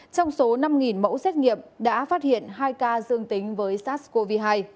trong số năm mẫu xét nghiệm đã phát hiện hai ca dương tính với sars cov hai